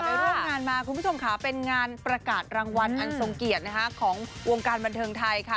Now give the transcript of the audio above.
คุณผู้ชมคะเป็นงานประกาศรางวัลอันทรงเกียรติของวงการบรรเทิงไทยค่ะ